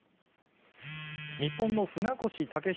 日本の船越健裕